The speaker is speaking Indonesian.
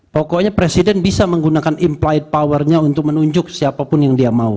pokoknya presiden bisa menggunakan implite powernya untuk menunjuk siapapun yang dia mau